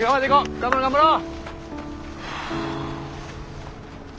頑張ろう頑張ろう！